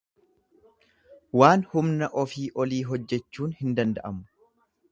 Waan humna ofii olii hojjechuun hin danda'amu.